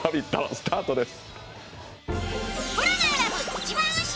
スタートです。